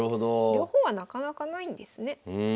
両方はなかなかないんですね。